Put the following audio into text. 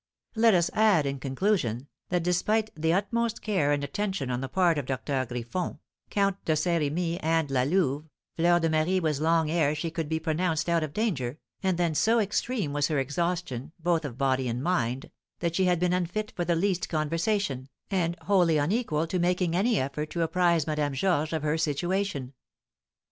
Let us add, in conclusion, that, despite the utmost care and attention on the part of Doctor Griffon, Count de Saint Remy, and La Louve, Fleur de Marie was long ere she could be pronounced out of danger, and then so extreme was her exhaustion, both of body and mind, that she had been unfit for the least conversation, and wholly unequal to making any effort to apprise Madame Georges of her situation.